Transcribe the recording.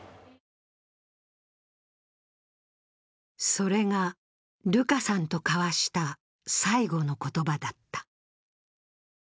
それがルカさんと交わした最後の言葉だった。